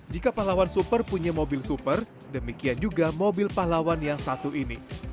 jika pahlawan super punya mobil super demikian juga mobil pahlawan yang satu ini